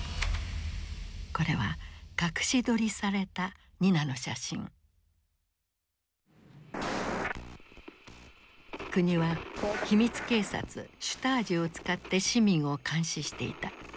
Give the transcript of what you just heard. これは国は秘密警察シュタージを使って市民を監視していた。